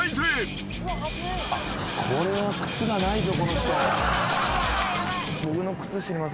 これは靴がないぞこの人。